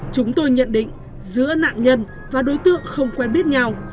chúng tôi nhận định giữa nạn nhân và đối tượng không quen biết nhau